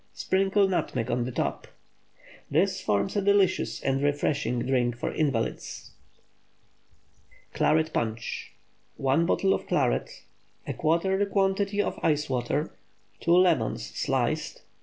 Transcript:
Sprinkle nutmeg on the top. This forms a delicious and refreshing drink for invalids. CLARET PUNCH. ✠ 1 bottle of claret. ¼ the quantity of ice water. 2 lemons, sliced.